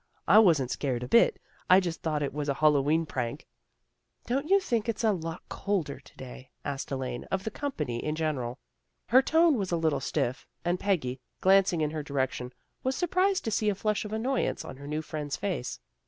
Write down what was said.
I wasn't scared a bit. I just thought it was a Hallowe'en prank." " Don't you think it's a lot colder to day? " asked Elaine of the company in general. Her tone was a little stiff, and Peggy, glancing in her direction, was surprised to see a flush of annoy ance on her new friend's face.